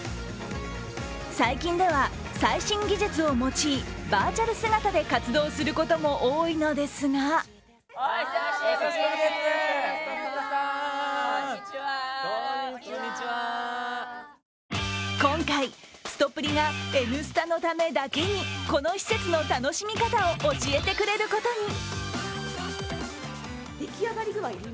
最近では、最新技術を用い、バーチャル姿で活動することも多いのですが今回、すとぷりが「Ｎスタ」のためだけにこの施設の楽しみ方を教えてくれることに。